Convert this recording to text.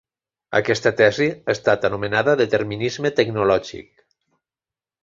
Aquesta tesi ha estat anomenada determinisme tecnològic.